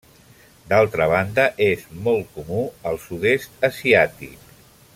D'altra banda, és molt comú al sud-est asiàtic.